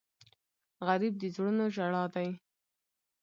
غریب د زړونو ژړا دی